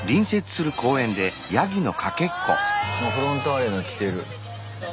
あフロンターレの着てる。